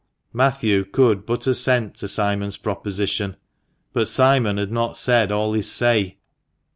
Matthew could but assent to Simon's proposition. But Simon had not said all his say.